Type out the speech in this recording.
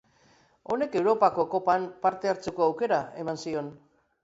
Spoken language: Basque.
Honek Europako Kopan parte hartzeko aukera eman zion.